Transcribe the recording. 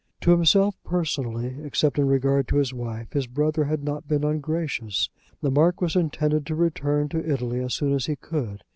To himself, personally, except in regard to his wife, his brother had not been ungracious. The Marquis intended to return to Italy as soon as he could.